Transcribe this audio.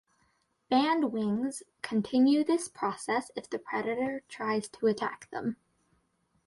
Bandwings continue this process if the predator tries to attack them.